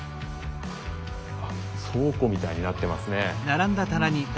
倉庫みたいになってますね。